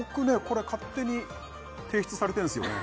これは勝手に提出されてんですよね